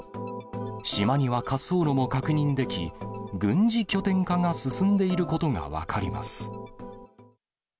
島には滑走路も確認でき、軍事拠点化が進んでいることが分かります。